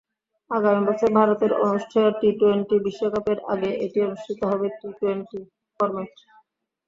আগামী বছর ভারতের অনুষ্ঠেয় টি-টোয়েন্টি বিশ্বকাপের আগে এটি অনুষ্ঠিত হবে টি-টোয়েন্টি ফরম্যাটে।